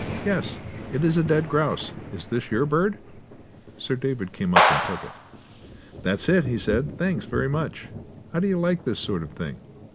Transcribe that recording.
"Yes, it is a dead grouse. Is this your bird?" Sir David came up and took it. "That's it," he said. "Thanks very much. How do you like this sort of thing?"